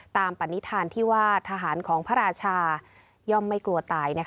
ปณิธานที่ว่าทหารของพระราช่อมไม่กลัวตาย